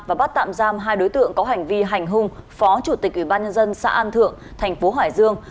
và bắt tạm giam hai đối tượng có hành vi hành hung phó chủ tịch ubnd xã an thượng thành phố hải dương